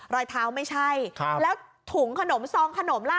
รอยเท้าไม่ใช่แล้วถุงขนมซองขนมล่ะ